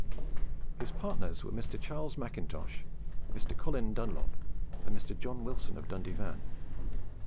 His partners were Mr. Charles Macintosh, Mr. Colin Dunlop, and Mr. John Wilson of Dundyvan.